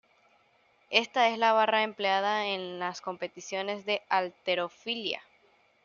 Esta es la barra empleada en las competiciones de halterofilia.